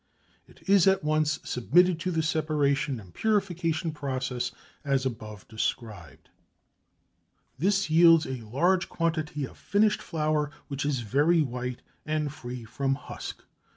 It is at once submitted to the separation and purification processes as above described. This yields a large quantity of finished flour which is very white and free from husk.